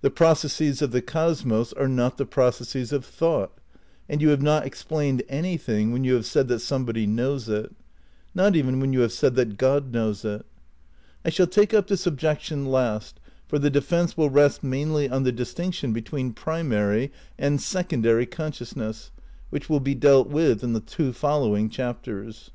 The processes of the cosmos are not the pro cesses of thought, and you have not explained anything when you have said that somebody knows it. Not even when you have said that God knows it. I shall take up this objection last, for the defence will rest mainly on the distinction between primary and secondary consciousness which will be dealt with in the two following chapters.